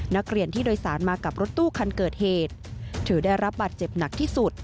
นักเรียนที่โดยสารมากับรถตู้คันเกิดเหตุถือได้รับบาดเจ็บหนักที่สุด